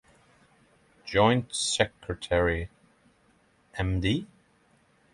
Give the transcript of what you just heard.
Joint Secretary Md.